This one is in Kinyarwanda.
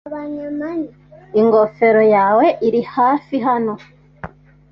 Ingofero yawe irihafi hano.